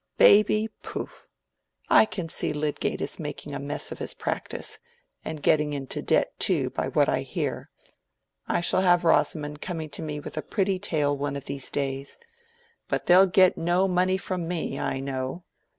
"Baby, pooh! I can see Lydgate is making a mess of his practice, and getting into debt too, by what I hear. I shall have Rosamond coming to me with a pretty tale one of these days. But they'll get no money from me, I know.